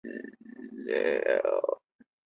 等结束马上订